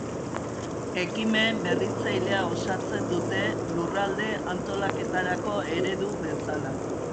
Ekimen berritzailea osatzen dute lurralde antolaketarako eredu bezala.